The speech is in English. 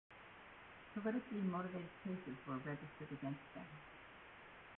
Politically motivated cases were registered against them.